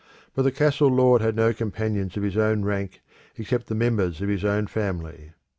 But the castle lord had no companions of his own rank except the members of his own family.